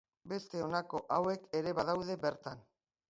Beste honako hauek ere badaude bertan.